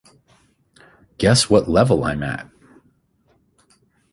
Guess what level I'm at?